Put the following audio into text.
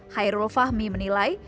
hairul fahmi menilai